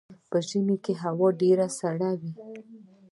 په ژمي کې هوا ډیره سړه وي